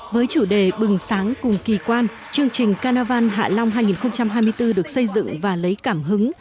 với chủ đề bừng sáng cùng kỳ quan chương trình carnival hạ long hai nghìn hai mươi bốn được xây dựng và lấy cảm hứng